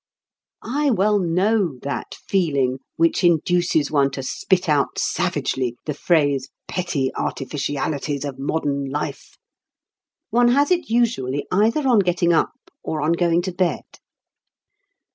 I well know that feeling which induces one to spit out savagely the phrase "petty artificialities of modern life." One has it usually either on getting up or on going to bed.